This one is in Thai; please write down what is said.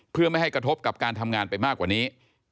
เพื่อไม่ให้กระทบกับการทำงานไปมากกว่านี้